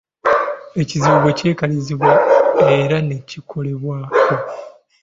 Ekizibu bwe kyekalirizibwa era ne kikolebwako.